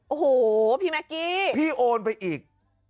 โอ้โหพี่แม็กกี้พี่โอนไปอีก